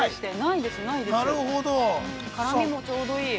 辛みもちょうどいい。